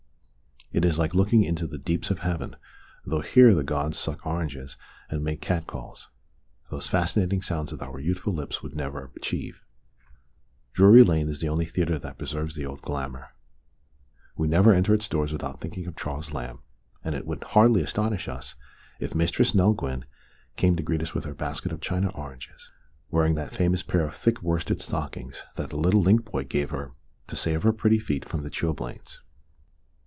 It is like looking into the deeps of heaven, though here the gods suck oranges and make cat calls those fascinating sounds that our youthful lips would never achieve. Drury Lane is the only theatre that preserves the old glamour. We never enter its doors with out thinking of Charles Lamb, and it would hardly astonish us if Mistress Nell Gwynn came to greet us with her basket of China oranges, wearing that famous pair of thick worsted stockings that the little link boy gave her to save her pretty feet from the chil blains.